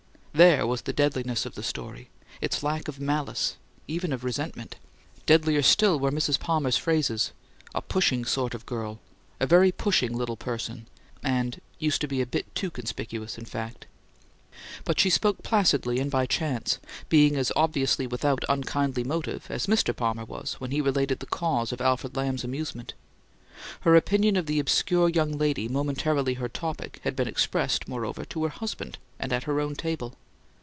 There was the deadliness of the story: its lack of malice, even of resentment. Deadlier still were Mrs. Palmer's phrases: "a pushing sort of girl," "a very pushing little person," and "used to be a bit TOO conspicuous, in fact." But she spoke placidly and by chance; being as obviously without unkindly motive as Mr. Palmer was when he related the cause of Alfred Lamb's amusement. Her opinion of the obscure young lady momentarily her topic had been expressed, moreover, to her husband, and at her own table.